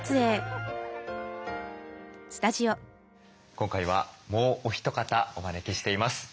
今回はもうお一方お招きしています。